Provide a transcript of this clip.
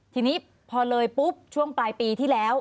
ทีนี้พอเลยปุ๊บช่วงปลายปีที่แล้ว